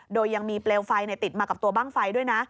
โดยยังมีเปลวไฟติดมากับตัวบ้างไฟด้วยนะ